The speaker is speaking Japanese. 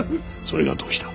それがどうした？